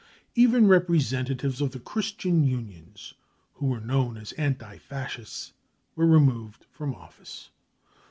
Even representatives of the Christian Unions who were known as anti Fascists were removed from office.